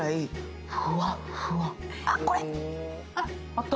あった？